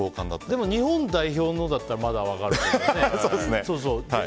でも日本代表のだったらまだ分かるけどね。